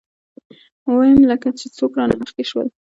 ويم لکه چې څوک رانه مخکې شول.